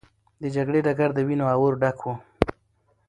د جګړې ډګر د وینو او اور ډک و.